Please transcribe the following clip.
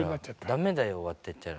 駄目だよ終わってったら。